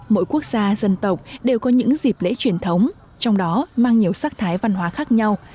mỗi quốc gia dân tộc đều có những dịp lễ truyền thống trong đó mang nhiều sắc thái văn hóa khác nhau